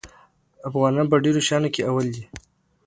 افغانان په ډېرو شیانو کې اول دي.